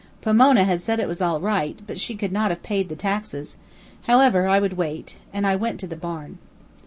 Pomona had said it was all right, but she could not have paid the taxes however, I would wait; and I went to the barn.